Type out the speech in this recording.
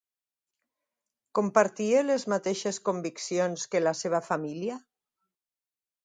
Compartia les mateixes conviccions que la seva família?